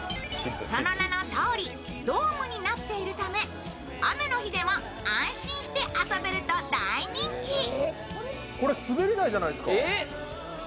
その名のとおりドームになっているため雨の日でも安心して遊べると大人気。